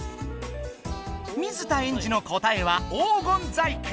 水田エンジの答えは黄金細工。